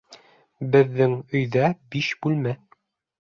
Беҙҙең өйҙә биш бүлмә